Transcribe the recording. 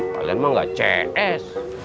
kalian mah nggak cs